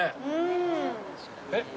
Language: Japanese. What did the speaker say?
えっ？